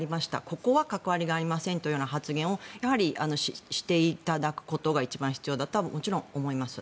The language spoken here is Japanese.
ここは関わりがありませんというような発言をやはりしていただくことが一番必要だともちろん思います。